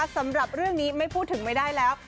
สำหรับเรื่องนี้ไม่พูดถึงไม่ได้แล้ว